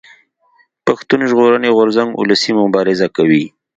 پښتون ژغورني غورځنګ اولسي مبارزه کوي